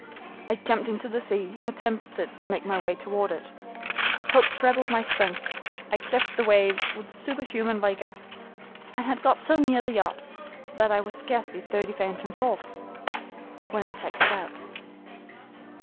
I jumped into the sea, and attempted to make my way toward it. Hope trebled my strength, I cleft the waves with superhuman vigor, and had got so near the yacht that I was scarcely thirty fathoms off, when it tacked about.